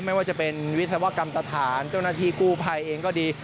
ไม่ว่าจะเป็นวิศวกรรมสถานเจ้าหน้าที่กู้ภัยเองก็ดี